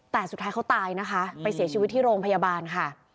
แต่สุดท้ายเขาตายนะคะไปเสียชีวิตที่โรงพยาบาลค่ะ